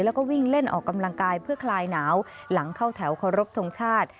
แล้วก็วิ่งเล่นออกกำลังกายเพื่อคลายหนาวหลังเข้าแถวเคารพทงชาติ